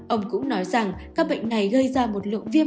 ông cũng nói rằng các bệnh này gây ra một lượng viêm